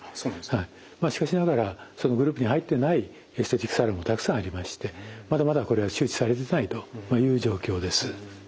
しかしながらそのグループに入ってないエステティックサロンもたくさんありましてまだまだこれが周知されてないという状況です。